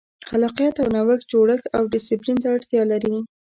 خلاقیت او نوښت جوړښت او ډیسپلین ته اړتیا لري.